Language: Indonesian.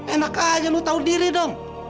enak aja lo tau diri dong